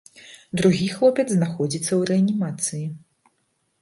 Другі хлопец знаходзіцца ў рэанімацыі.